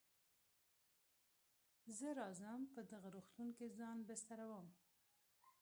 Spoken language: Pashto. زه راځم په دغه روغتون کې ځان بستروم.